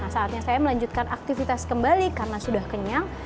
saatnya saya melanjutkan aktivitas kembali karena sudah kenyang